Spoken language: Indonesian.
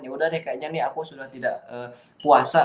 yaudah deh kayaknya nih aku sudah tidak puasa